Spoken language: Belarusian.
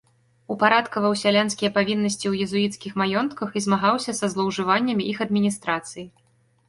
Упарадкаваў сялянскія павіннасці ў езуіцкіх маёнтках і змагаўся са злоўжываннямі іх адміністрацыі.